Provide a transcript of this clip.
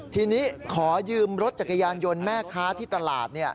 ทีนี้ขอยืมรถจักรยานยนต์แม่ค้าที่ตลาด